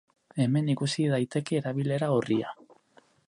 Hemen ikus daiteke erabilera-orria.